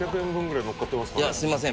いやすいません